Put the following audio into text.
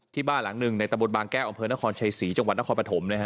บ้านหลังหนึ่งในตะบนบางแก้วอำเภอนครชัยศรีจังหวัดนครปฐมนะฮะ